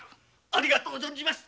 ありがとう存じます。